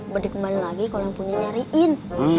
berdekembali lagi kalo yang punya nyariin